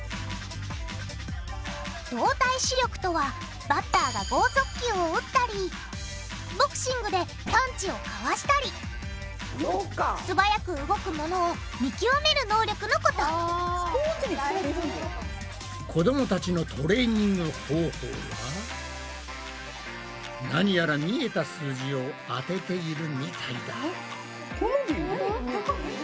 動体視力とはバッターが剛速球を打ったりボクシングでパンチをかわしたり素早く動くものを見極める能力のこと子どもたちのトレーニング方法は何やら見えた数字を当てているみたいだ。